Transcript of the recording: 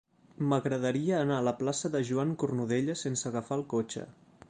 M'agradaria anar a la plaça de Joan Cornudella sense agafar el cotxe.